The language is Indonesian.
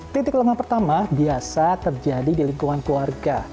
titik lengah pertama biasa terjadi di lingkungan keluarga